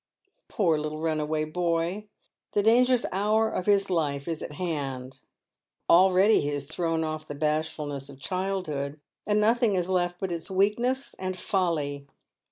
Poor little runaway boy ! the dangerous hour of his life is at hand. Already he has thrown off the bashfulness of childhood, and nothing is left but its weakness and folly.